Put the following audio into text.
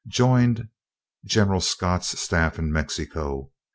Joined General Scott's staff in Mexico.